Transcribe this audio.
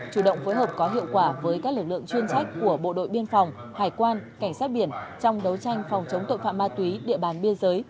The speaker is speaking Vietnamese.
chủ động phối hợp có hiệu quả với các lực lượng chuyên trách của bộ đội biên phòng hải quan cảnh sát biển trong đấu tranh phòng chống tội phạm ma túy địa bàn biên giới